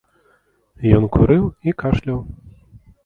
Ён курыў і кашляў.